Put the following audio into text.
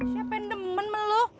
siapa yang demen melu